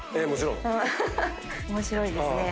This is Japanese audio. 面白いですね。